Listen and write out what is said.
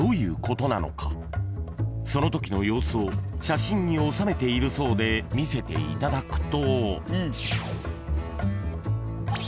［そのときの様子を写真に収めているそうで見せていただくと］